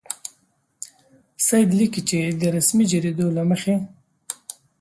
سید لیکي چې د رسمي جریدو له مخې.